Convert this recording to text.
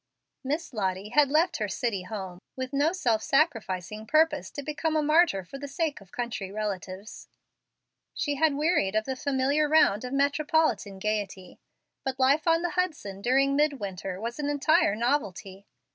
Miss Lottie had left her city home with no self sacrificing purpose to become a martyr for the sake of country relatives. She had wearied of the familiar round of metropolitan gayety; but life on the Hudson during midwinter was an entire novelty.